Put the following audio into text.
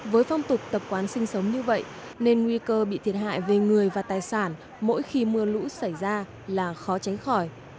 với phong tục tập quán sinh sống như vậy nên nguy cơ bị thiệt hại về người và tài sản mỗi khi mưa lũ xảy ra là khó tránh khỏi